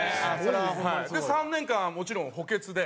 ３年間もちろん補欠で。